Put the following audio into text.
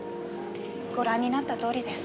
ご覧になったとおりです。